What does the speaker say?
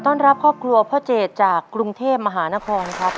ต้อนรับครอบครัวพ่อเจดจากกรุงเทพมหานครครับ